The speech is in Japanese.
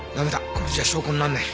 これじゃ証拠にならない。